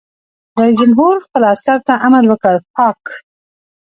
رئیس جمهور خپلو عسکرو ته امر وکړ؛ پاک!